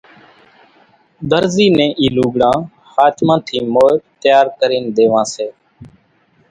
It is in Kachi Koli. ۮرزي نين اِي لوڳڙان ۿاچمان ٿي مور تيار ڪرين ۮيوان زوئي سي